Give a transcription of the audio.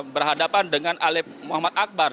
berhadapan dengan alif muhammad akbar